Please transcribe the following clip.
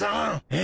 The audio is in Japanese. え？